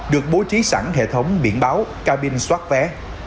được bố trí sẵn hệ thống biển báo ca binh xoát vé